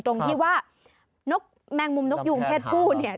ตรงที่ว่าแมงมุมนกยูงเพศผู้